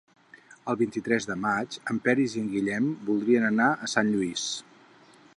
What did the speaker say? El vint-i-tres de maig en Peris i en Guillem voldrien anar a Sant Lluís.